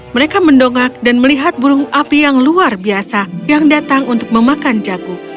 mereka mendongak dan melihat burung api yang luar biasa yang datang untuk memakan jagung